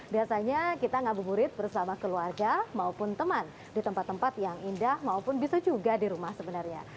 biasanya kita ngabuburit bersama keluarga maupun teman di tempat tempat yang indah maupun bisa juga di rumah sebenarnya